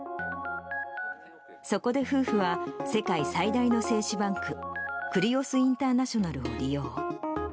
そこで夫婦は、世界最大の精子バンク、クリオス・インターナショナルを利用。